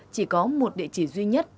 chỉ có một địa chỉ duy nhất